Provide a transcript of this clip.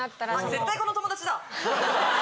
絶対この友達だ。